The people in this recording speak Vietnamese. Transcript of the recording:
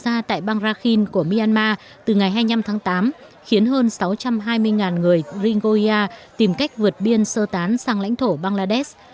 các bạo lực nổ ra tại bangrakin của myanmar từ ngày hai mươi năm tháng tám khiến hơn sáu trăm hai mươi người ringoia tìm cách vượt biên sơ tán sang lãnh thổ bangladesh